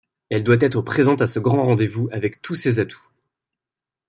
Elle doit être présente à ce grand rendez-vous avec tous ses atouts.